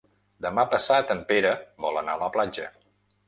Demà passat en Pere vol anar a la platja.